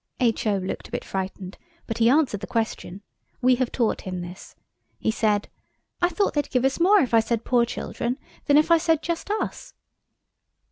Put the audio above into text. H.O. looked a bit frightened, but he answered the question. We have taught him this. He said– "I thought they'd give us more if I said poor children than if I said just us."